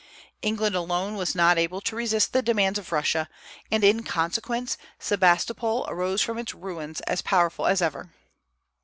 England alone was not able to resist the demands of Russia, and in consequence Sebastopol arose from its ruins as powerful as ever.